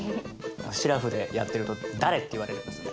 シラフでやってると「誰？」って言われるんですよね。